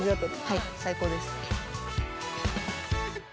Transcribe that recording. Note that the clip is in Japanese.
はい最高です。